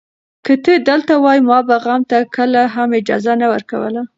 که ته دلته وای، ما به غم ته کله هم اجازه نه ورکوله.